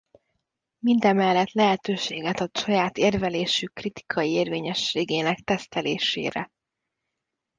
Mindemellett lehetőséget ad saját érvelésük kritikai érvényességének tesztelésére.